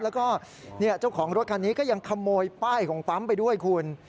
แล้วก็เจ้าของรถคันนี้ก็ยังขโมยป้ายของปั๊มไปด้วยคุณ